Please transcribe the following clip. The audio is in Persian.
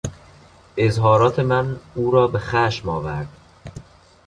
اظهارات من او را به خشم آورد.